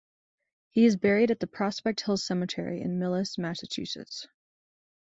He is buried at the Prospect Hill Cemetery in Millis, Massachusetts.